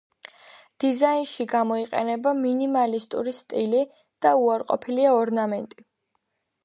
დიზაინში გამოიყენება მინიმალისტური სტილი და უარყოფილია ორნამენტი.